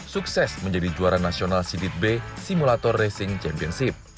sukses menjadi juara nasional sidit b simulator racing championship